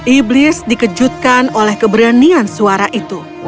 iblis dikejutkan oleh keberanian suara itu